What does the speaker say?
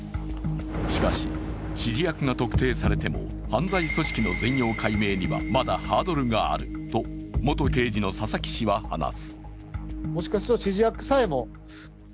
しかし、指示役が特定されても、犯罪組織の特定にはまだハードルがあると元刑事の佐々木氏は話す。